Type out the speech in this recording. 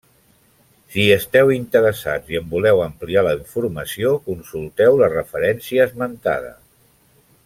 Si hi esteu interessats i en voleu ampliar la informació, consulteu la referència esmentada.